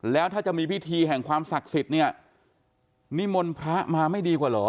แล้วถ้าจะมีพิธีแห่งความศักดิ์สิทธิ์เนี่ยนิมนต์พระมาไม่ดีกว่าเหรอ